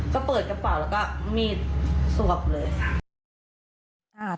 ก็เปิดกระเป๋าแล้วก็มีดสวบเลยค่ะ